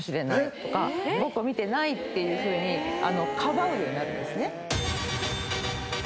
「僕見てない」っていうふうにかばうようになるんですね。